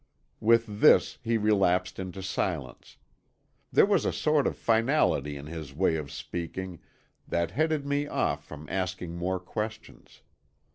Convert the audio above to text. With this he relapsed into silence. There was a sort of finality in his way of speaking that headed me off from asking more questions.